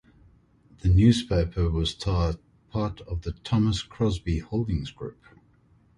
The newspaper was part of the Thomas Crosbie Holdings group.